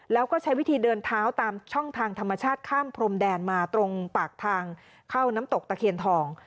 แล้วก็ใช้วิธีเดินเท้าตามช่องทางธรรมชาติข้ามพรมแดนมาตรงปากทางเข้าน้ำตกตะเคียนทอง